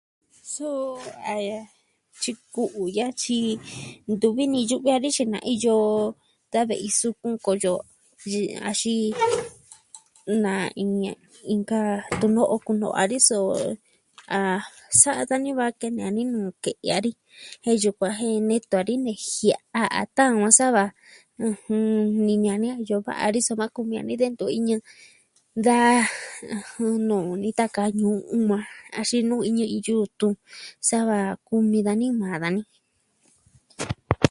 Suu a... tyi ku'u ya'a tyi, ntuvi ni yu'vi a vi xiin na iyo da ve'i sukun koyo, yɨ... axin maa... inka tuno'o kuno'o a ni soo ah... sa da niva'a kene a ni nu ke'ya ni. Jen yukuan jen nee tan ni nejia'a ta'an o sava, ɨjɨn... ni ña'ni a yoo va'a ni soma kumi a ni detun iñɨ, da, ɨjɨn, no'o ni taka ñuu u maa axin nuu iñɨ iin yutun. Sava kumi dani maa dani.